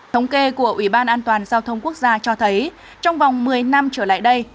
thống kê của ủy ban an toàn giao thông quốc gia cho thấy trong vòng một mươi năm trở lại đây